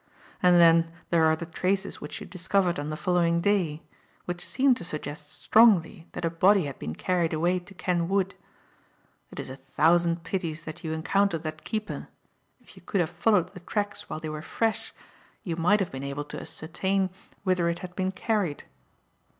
And then there are the traces which you discovered on the following day, which seem to suggest strongly that a body had been carried away to Ken Wood. It is a thousand pities that you encountered that keeper, if you could have followed the tracks while they were fresh you might have been able to ascertain whither it had been carried.